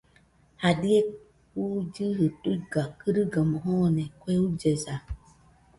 Jadie juillɨji tuiga kɨrɨgaɨmo joone kue ullesa.